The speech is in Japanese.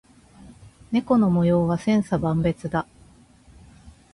猫の模様は千差万別だ。